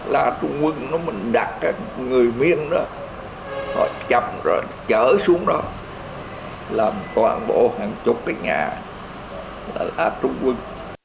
lá trung quân mình đặt cái người miên đó họ chậm rồi chở xuống đó làm toàn bộ hàng chục cái nhà là lá trung quân